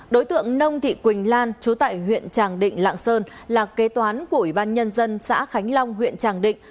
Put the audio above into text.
đối tượng nông thị quỳnh lan chú tại huyện tràng định lạng sơn là kế toán của ủy ban nhân dân xã khánh long huyện tràng định